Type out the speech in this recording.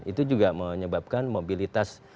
itu juga menyebabkan mobilitas